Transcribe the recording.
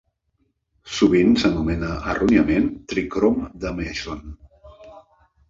Sovint s'anomena erròniament tri-crom de Masson.